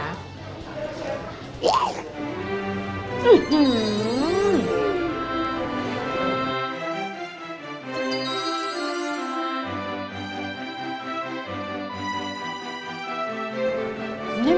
อื้อหืออ